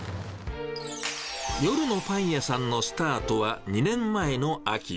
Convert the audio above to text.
夜のパン屋さんのスタートは２年前の秋。